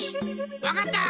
わかった！